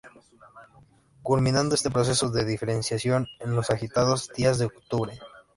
Culminando este proceso de diferenciación en los agitados días de octubre.